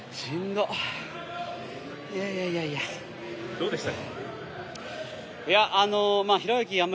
どうでした？